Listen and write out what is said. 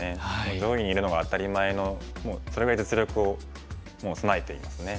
上位にいるのが当たり前のそれぐらい実力をもう備えていますね。